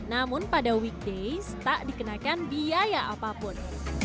namun pada weekdays tak dikenakan biaya apapun